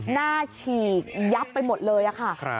หน้าฉีกยับไปหมดเลยอ่ะค่ะ